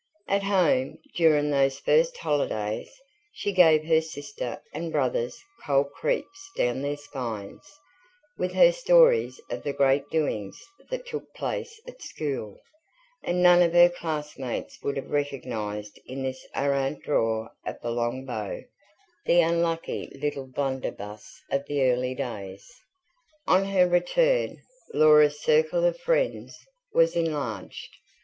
At home, during those first holidays, she gave her sister and brothers cold creeps down their spines, with her stories of the great doings that took place at school; and none of her class mates would have recognised in this arrant drawer of the long bow, the unlucky little blunderbuss of the early days. On her return, Laura's circle of friends was enlarged.